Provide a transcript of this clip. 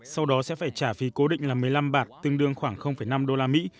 sau đó sẽ phải trả phí cố định là một mươi năm bạt tương đương khoảng năm đô la mỹ